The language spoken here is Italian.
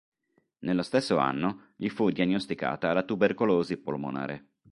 Nello stesso anno gli fu diagnosticata la tubercolosi polmonare.